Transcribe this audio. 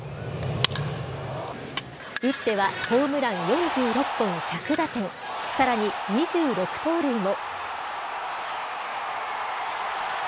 打ってはホームラン４６本、１００打点、さらに２６盗塁も。